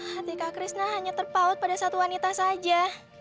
hati kak krisna hanya terpaut pada satu wanita saja